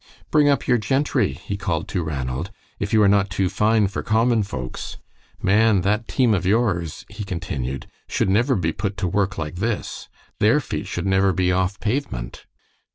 "Bring up your gentry," he called to Ranald, "if you are not too fine for common folks. Man, that team of yours," he continued, "should never be put to work like this. Their feet should never be off pavement."